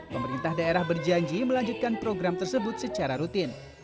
pemerintah daerah berjanji melanjutkan program tersebut secara rutin